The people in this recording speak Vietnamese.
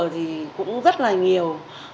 thì cũng rất là nhiều